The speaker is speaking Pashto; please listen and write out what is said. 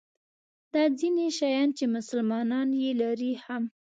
دا ځیني شیان چې مسلمانان یې لري هم.